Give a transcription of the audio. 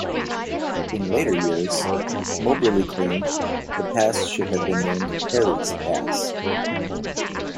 In later years, Moberly claimed the pass should have been named Perry's Pass.